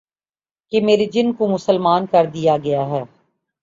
کہ میرے جن کو مسلمان کر دیا گیا ہے